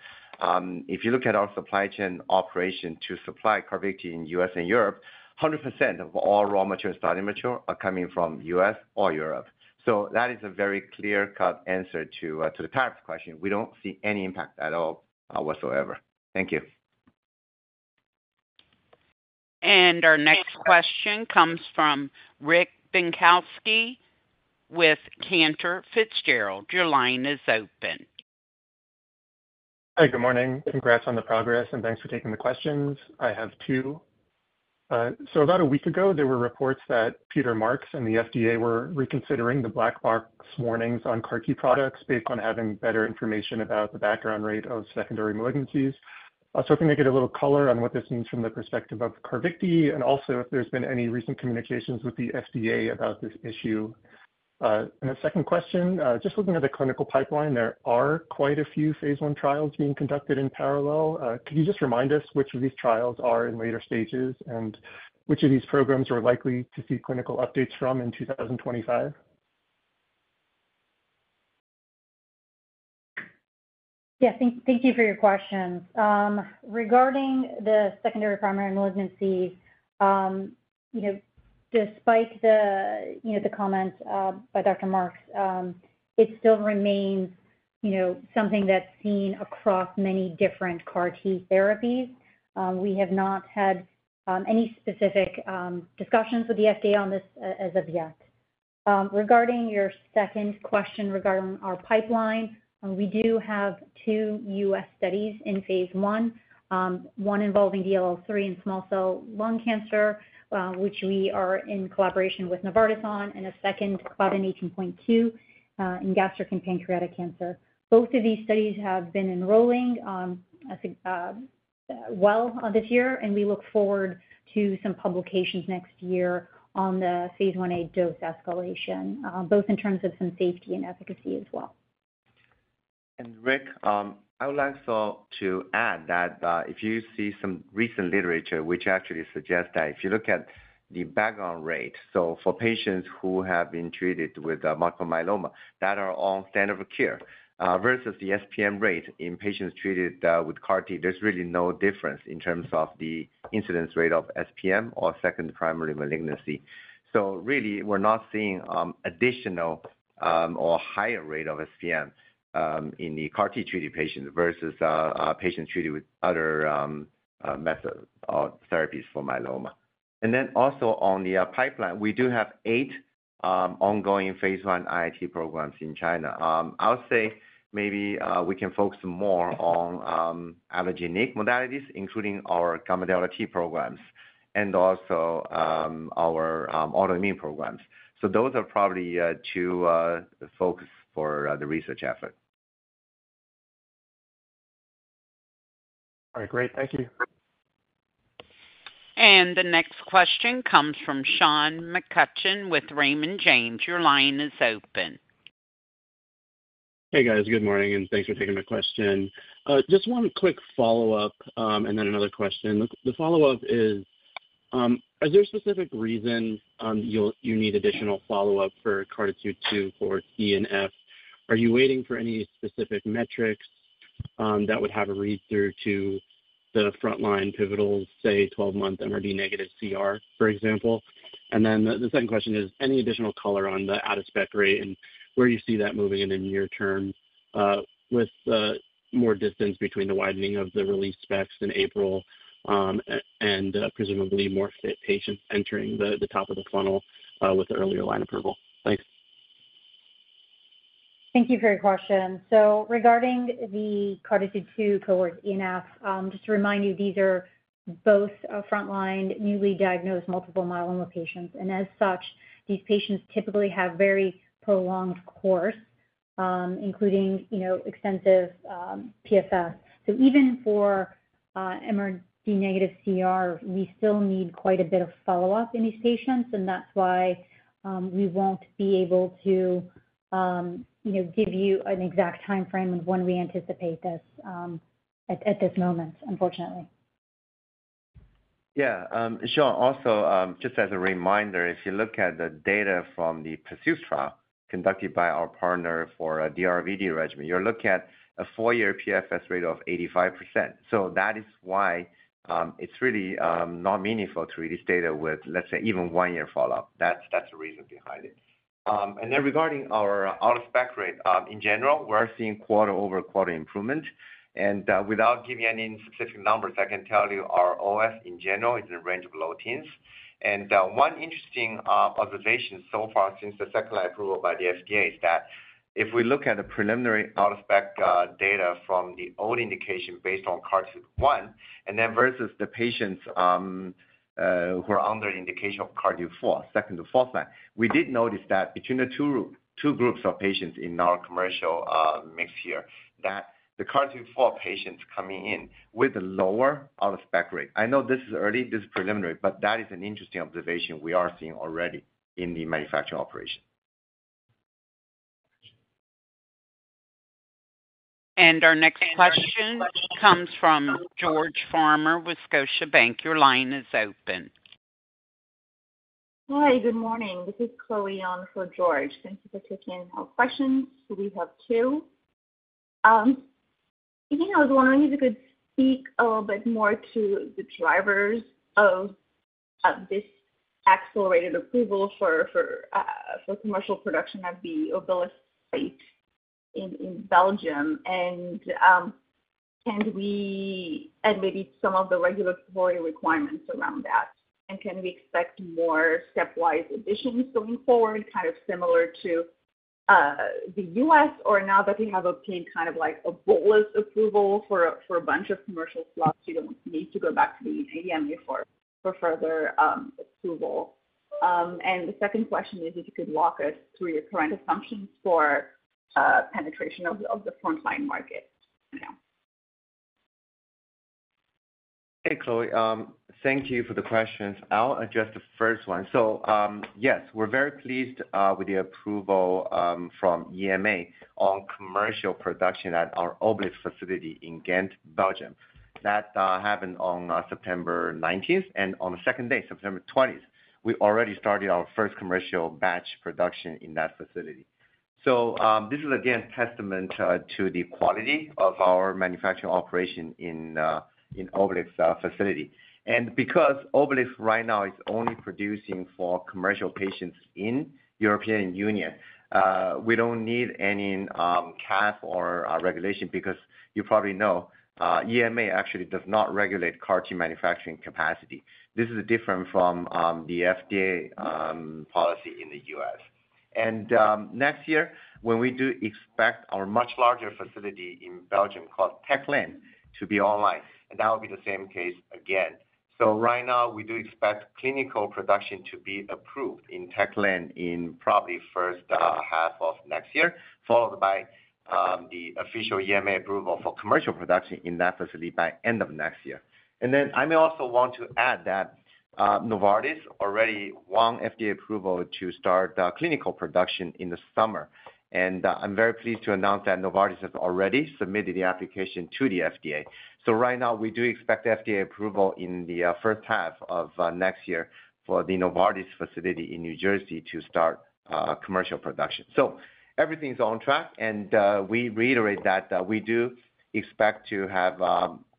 Speaker 3: If you look at our supply chain operation to supply CARVYKTI in the U.S. and Europe, 100% of all raw material starting material are coming from the U.S. or Europe. So that is a very clear-cut answer to the tariff question. We don't see any impact at all whatsoever. Thank you.
Speaker 1: Our next question comes from Rick Bienkowski with Cantor Fitzgerald. Your line is open.
Speaker 3: Hi, good morning. Congrats on the progress, and thanks for taking the questions. I have two. So about a week ago, there were reports that Peter Marks and the FDA were reconsidering the black box warnings on CAR-T products based on having better information about the background rate of secondary malignancies. So I think I get a little color on what this means from the perspective of CARVYKTI and also if there's been any recent communications with the FDA about this issue. And the second question, just looking at the clinical pipeline, there are quite a few phase I trials being conducted in parallel. Could you just remind us which of these trials are in later stages and which of these programs we're likely to see clinical updates from in 2025?
Speaker 10: Yeah. Thank you for your questions. Regarding the secondary primary malignancies, despite the comments by Dr. Marks, it still remains something that's seen across many different CAR-T therapies. We have not had any specific discussions with the FDA on this as of yet. Regarding your second question regarding our pipeline, we do have two U.S. studies in phase I, one involving DLL3 in small cell lung cancer, which we are in collaboration with Novartis on, and a second, Claudin 18.2 in gastric and pancreatic cancer. Both of these studies have been enrolling well this year, and we look forward to some publications next year on the phase I-A dose escalation, both in terms of some safety and efficacy as well.
Speaker 3: Rick, I would like to add that if you see some recent literature, which actually suggests that if you look at the background rate, so for patients who have been treated with multiple myeloma, that are on standard of care versus the SPM rate in patients treated with CAR-T, there's really no difference in terms of the incidence rate of SPM or secondary primary malignancy. So really, we're not seeing additional or higher rate of SPM in the CAR-T-treated patients versus patients treated with other methods or therapies for myeloma. And then also on the pipeline, we do have eight ongoing phase I IIT programs in China. I'll say maybe we can focus more on allogeneic modalities, including our gamma delta T programs and also our autoimmune programs. So those are probably to focus for the research effort.
Speaker 16: All right. Great. Thank you.
Speaker 1: The next question comes from Sean McCutcheon with Raymond James. Your line is open.
Speaker 17: Hey, guys. Good morning, and thanks for taking my question. Just one quick follow-up and then another question. The follow-up is, is there a specific reason you need additional follow-up for CARTITUDE-2 Cohorts E and F? Are you waiting for any specific metrics that would have a read-through to the frontline pivotal, say, 12-month MRD negative CR, for example? And then the second question is, any additional color on the out-of-spec rate and where you see that moving in the near term with more distance between the widening of the release specs in April and presumably more fit patients entering the top of the funnel with the earlier line approval? Thanks.
Speaker 10: Thank you for your question. So regarding the CARTITUDE-2 Cohorts E and F, just to remind you, these are both frontline newly diagnosed multiple myeloma patients. And as such, these patients typically have very prolonged course, including extensive PFS. So even for MRD negative CR, we still need quite a bit of follow-up in these patients. And that's why we won't be able to give you an exact timeframe of when we anticipate this at this moment, unfortunately.
Speaker 3: Yeah. Sean, also, just as a reminder, if you look at the data from the PERSEUS trial conducted by our partner for a D-VRd regimen, you're looking at a four-year PFS rate of 85%. So that is why it's really not meaningful to read this data with, let's say, even one-year follow-up. That's the reason behind it. And then regarding our out-of-spec rate, in general, we're seeing quarter-over-quarter improvement. And without giving any specific numbers, I can tell you our OS in general is in the range of low teens. One interesting observation so far since the second-line approval by the FDA is that if we look at the preliminary out-of-spec data from the old indication based on CARTITUDE-1 and then versus the patients who are under indication of CARTITUDE-4 second or fourth line, we did notice that between the two groups of patients in our commercial mix here, that the CARTITUDE-4 patients coming in with a lower out-of-spec rate. I know this is early. This is preliminary, but that is an interesting observation we are seeing already in the manufacturing operation.
Speaker 1: Our next question comes from George Farmer with Scotiabank. Your line is open. Hi, good morning. This is Chloe on for George. Thank you for taking our questions. We have two. Speaking of, I was wondering if you could speak a little bit more to the drivers of this accelerated approval for commercial production of the Obelisc in Belgium. And maybe some of the regulatory requirements around that. And can we expect more stepwise additions going forward, kind of similar to the U.S., or now that we have obtained kind of like Obelisc approval for a bunch of commercial slots, you don't need to go back to the EMA for further approval? And the second question is, if you could walk us through your current assumptions for penetration of the frontline market now.
Speaker 3: Hey, Chloe. Thank you for the questions. I'll address the first one. So yes, we're very pleased with the approval from EMA on commercial production at our Obelisc facility in Ghent, Belgium. That happened on September 19th, and on the second day, September 20th, we already started our first commercial batch production in that facility. So this is, again, a testament to the quality of our manufacturing operation in Obelisc's facility. And because Obelisc right now is only producing for commercial patients in the European Union, we don't need any cap or regulation because you probably know EMA actually does not regulate CAR-T manufacturing capacity. This is different from the FDA policy in the U.S. And next year, when we do expect our much larger facility in Belgium called Tech Lane to be online, and that will be the same case again. Right now, we do expect clinical production to be approved in Tech Lane in probably the first half of next year, followed by the official EMA approval for commercial production in that facility by the end of next year. Then I may also want to add that Novartis already won FDA approval to start clinical production in the summer. I'm very pleased to announce that Novartis has already submitted the application to the FDA. Right now, we do expect FDA approval in the first half of next year for the Novartis facility in New Jersey to start commercial production. Everything's on track. We reiterate that we do expect to have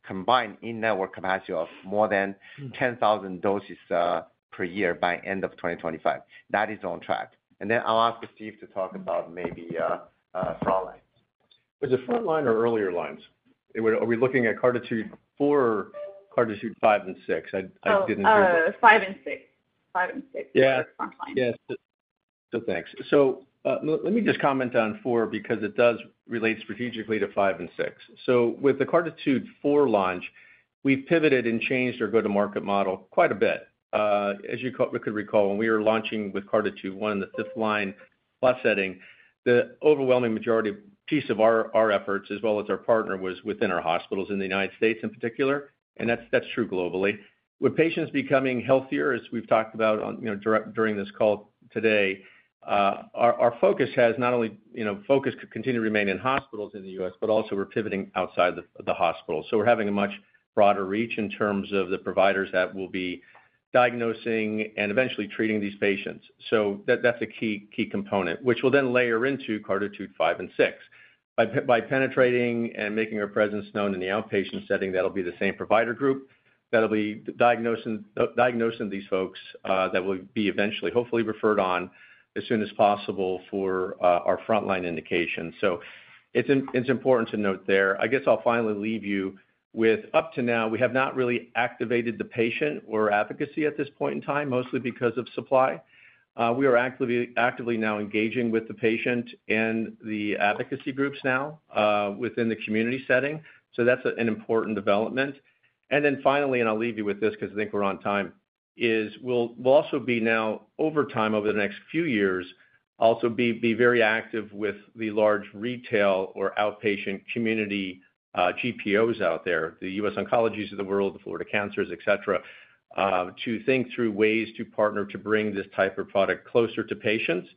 Speaker 3: combined in-network capacity of more than 10,000 doses per year by the end of 2025. That is on track. Then I'll ask Steve to talk about maybe frontline.
Speaker 6: Was it frontline or earlier lines? Are we looking at CARTITUDE-4, CARTITUDE-5, and CARTITUDE-6? I didn't hear that. 5 and 6. 5 and 6. Yeah. Frontline. Yeah. Thanks. Let me just comment on four because it does relate strategically to 5 and 6. With the CARTITUDE-4 launch, we've pivoted and changed our go-to-market model quite a bit. As you could recall, when we were launching with CARTITUDE-1 in the fifth-line-plus setting, the overwhelming majority piece of our efforts, as well as our partner, was within our hospitals in the United States in particular, and that's true globally. With patients becoming healthier, as we've talked about during this call today, our focus has not only focused to continue to remain in hospitals in the U.S., but also we're pivoting outside of the hospital. We're having a much broader reach in terms of the providers that will be diagnosing and eventually treating these patients. That's a key component, which will then layer into CARTITUDE-5 and CARTITUDE-6. By penetrating and making our presence known in the outpatient setting, that'll be the same provider group that'll be diagnosing these folks that will be eventually hopefully referred on as soon as possible for our frontline indication. So it's important to note there. I guess I'll finally leave you with, up to now, we have not really activated the patient advocacy at this point in time, mostly because of supply. We are actively now engaging with the patient and the advocacy groups now within the community setting. So that's an important development. And then finally, and I'll leave you with this because I think we're on time, is we'll also be now over time over the next few years, also be very active with the large retail or outpatient community GPOs out there, the U.S. Oncologies of the world, the Florida Cancer Specialists, etc., to think through ways to partner to bring this type of product closer to patients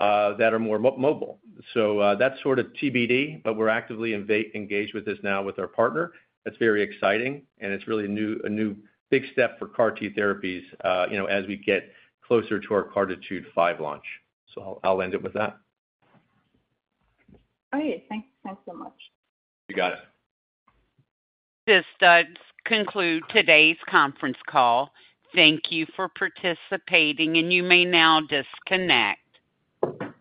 Speaker 6: that are more mobile. So that's sort of TBD, but we're actively engaged with this now with our partner. It's very exciting, and it's really a new big step for CAR-T therapies as we get closer to our CARTITUDE-5 launch. So I'll end it with that. All right. Thanks so much. You got it.
Speaker 1: This does conclude today's conference call. Thank you for participating, and you may now disconnect.